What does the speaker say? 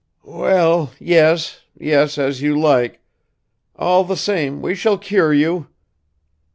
"Well, yes, yes, as you like ... all the same we shall cure you!"